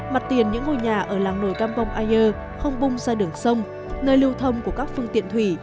mặt tiền những ngôi nhà ở làng nồi campong air không bung ra đường sông nơi lưu thông của các phương tiện thủy